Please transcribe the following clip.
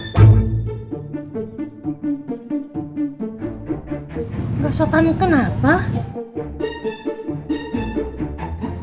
kau udah kaget sopan ya sama keluarga gue ya